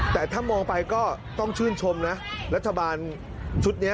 แต่ถ้ามองไปก็ต้องชื่นชมนะรัฐบาลชุดนี้